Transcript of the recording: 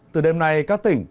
từ đêm nay các tỉnh